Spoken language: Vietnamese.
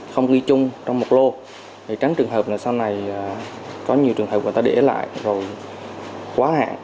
không ghi chung trong một lô để tránh trường hợp là sau này có nhiều trường hợp người ta để lại rồi quá hạn